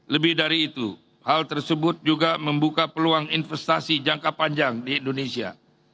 lebih dari itu hal tersebut juga membuka peluang investasi jangka panjang di indonesia